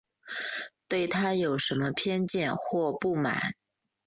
对她有什么偏见或不满